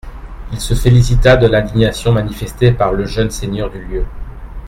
Il se félicita de l'indignation manifestée par le jeune seigneur du lieu.